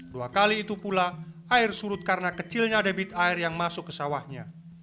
dua kali itu pula air surut karena kecilnya debit air yang masuk ke sawahnya